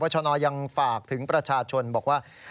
ชนยังฝากถึงประชาชนบอกว่า